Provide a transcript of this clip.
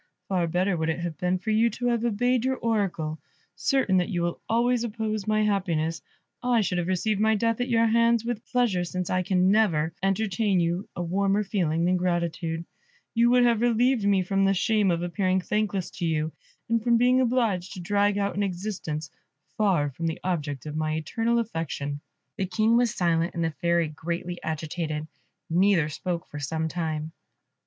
Far better would it have been for you to have obeyed your Oracle. Certain that you will always oppose my happiness, I should have received my death at your hands with pleasure, since I can never entertain for you a warmer feeling than gratitude. You would have relieved me from the shame of appearing thankless to you, and from being obliged to drag out an existence far from the object of my eternal affection." The King was silent, and the Fairy greatly agitated; neither spoke for some time.